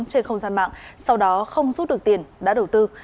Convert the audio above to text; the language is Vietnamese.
trên không gian mạng sau đó không rút được tiền đã đầu tư